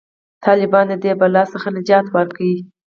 طالبانو د دې بلا څخه نجات ورکړ.